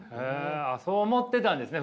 あそう思ってたんですね